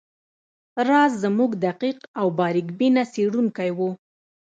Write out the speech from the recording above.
راز زموږ دقیق او باریک بینه څیړونکی وو